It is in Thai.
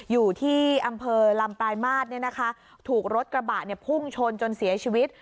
อยู่ที่อำเภอลำปลายมาตรถูกรถกระบะพุ่งชนจนเสียชีวิต